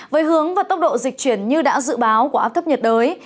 với hướng và tốc độ dịch chuyển như đã dự báo của áp thấp nhiệt đới